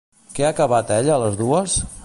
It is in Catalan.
Què ha acabat ella a les dues?